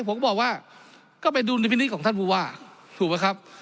ผมก็บอกว่าก็ไปดูของท่านภูวาถูกไหมครับ